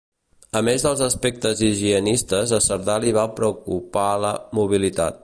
A més dels aspectes higienistes a Cerdà li va preocupar la mobilitat.